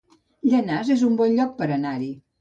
Llanars es un bon lloc per anar-hi